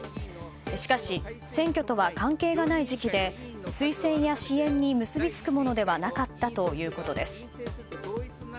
しかし、選挙とは関係がない時期で推薦や支援に結びつくものではなかったということです。